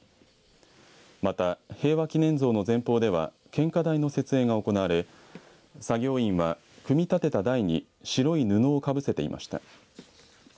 また、平和祈念像の前方では献花台の設営が行われ作業員は組み立てた台に白い布を被せていました。